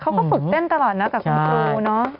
เขาก็ฝึกเต้นตลอดนะแต่คุณครูเนอะ